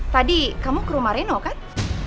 tadi kamu ke rumah reno kan